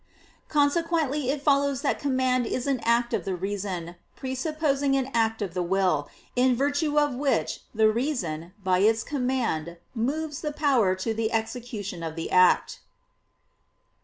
Consequently it follows that command is an act of the reason, presupposing an act of the will, in virtue of which the reason, by its command, moves (the power) to the execution of the act.